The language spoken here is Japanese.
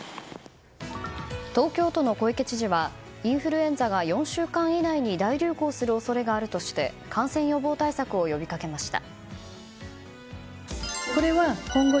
東京都の小池知事はインフルエンザが４週間以内に大流行する恐れがあるとして感染予防対策を呼びかけました。